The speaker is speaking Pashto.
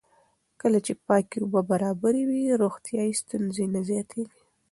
کله چې پاکې اوبه برابرې وي، روغتیایي ستونزې نه زیاتېږي.